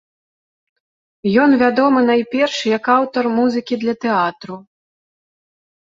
Ён вядомы найперш як аўтар музыкі для тэатру.